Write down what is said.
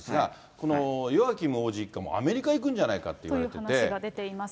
このヨアキム王子一家もアメリカ行くんじゃないかって言われてて。という話が出ています。